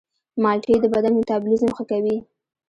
مالټې د بدن میتابولیزم ښه کوي.